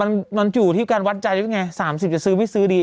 มันอยู่ที่การวัดใจหรือไง๓๐จะซื้อไม่ซื้อดี